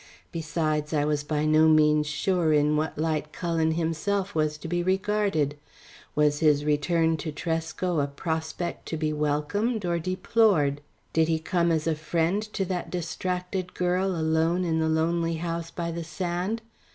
Besides I was by no means sure in what light Cullen himself was to be regarded. Was his return to Tresco, a prospect to be welcomed or deplored? Did he come as a friend to that distracted girl alone in the lonely house by the sand?